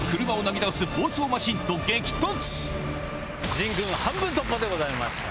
迅君半分突破でございました。